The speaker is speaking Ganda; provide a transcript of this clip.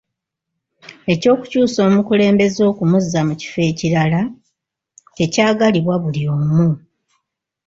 Eky'okukyusa omukulembeze okumuzza mu kifo ekirala tekyagalibwa buli omu.